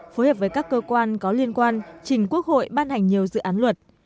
phối hợp với các cơ quan có liên quan trình quốc hội ban hành nhiều dự án luật